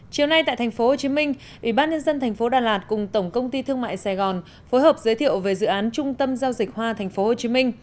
chiều nay tại tp hcm ủy ban nhân dân tp đà lạt cùng tổng công ty thương mại sài gòn phối hợp giới thiệu về dự án trung tâm giao dịch hoa tp hcm